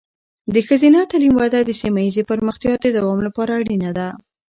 د ښځینه تعلیم وده د سیمه ایزې پرمختیا د دوام لپاره اړینه ده.